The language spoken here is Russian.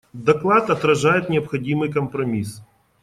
Доклад отражает необходимый компромисс.